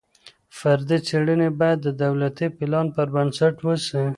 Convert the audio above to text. فردي څېړني باید د دولتي پلان پر بنسټ وسي.